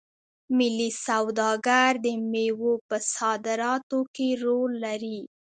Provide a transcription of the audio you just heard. ملي سوداګر د میوو په صادراتو کې رول لري.